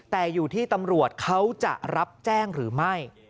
แต่อยู่ที่ตำรวจเขาจะรับแจ้งหรือไม่